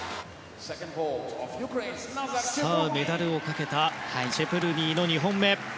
さあ、メダルをかけたチェプルニーの２本目。